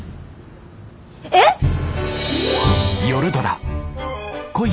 えっ！？